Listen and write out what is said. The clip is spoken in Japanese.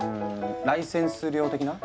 ライセンス料的な？